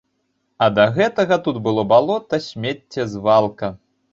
А да гэтага тут было балота, смецце, звалка.